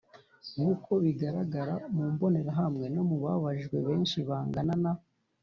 Nk uko bigaragara mu mbonerahamwe no ababajijwe benshi bangana na